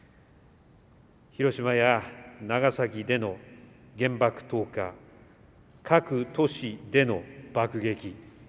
広島や長崎での原爆投下各都市での爆撃